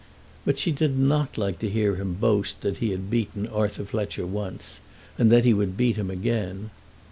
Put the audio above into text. But she did not like to hear him boast that he had beaten Arthur Fletcher once, and that he would beat him again.